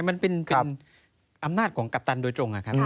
มันเป็นอำนาจของกัปตันโดยตรง